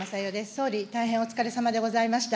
総理、大変お疲れさまでございました。